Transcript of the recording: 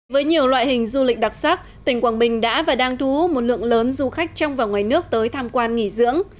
với nhiều loại hình du lịch đặc sắc tỉnh quảng bình đã và đang thu hút một lượng lớn du khách trong và ngoài nước tới tham quan nghỉ dưỡng